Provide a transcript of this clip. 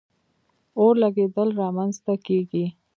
اور لګېدل را منځ ته کیږي.